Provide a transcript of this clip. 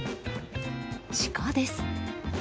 シカです。